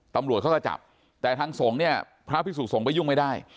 ตำรวจเขาก็จับแต่ทางสงฆ์เนี่ยพระพิสุสงฆ์ไปยุ่งไม่ได้